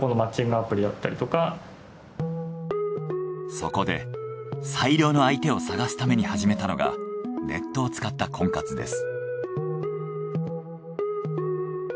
そこで最良の相手を探すために始めたのがネットを使った婚活です。